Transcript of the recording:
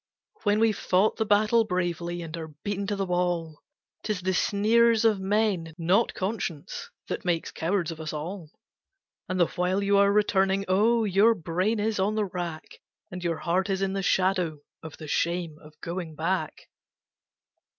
When we've fought the battle bravely and are beaten to the wall, 'Tis the sneers of men, not conscience, that make cowards of us all; And the while you are returning, oh! your brain is on the rack, And your heart is in the shadow of the shame of going back.